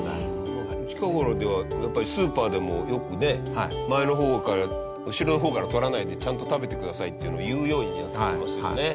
近頃ではやっぱりスーパーでもよくね前の方から後ろの方から取らないでちゃんと食べてくださいっていうのを言うようにやってますよね。